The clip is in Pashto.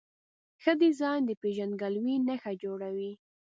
ښه ډیزاین د پېژندګلوۍ نښه جوړوي.